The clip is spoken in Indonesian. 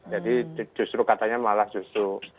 jadi justru katanya malah justru